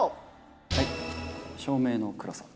はい、照明の暗さ。